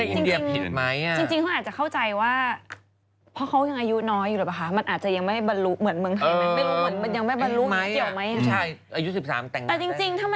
อืม